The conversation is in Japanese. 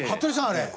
あれ。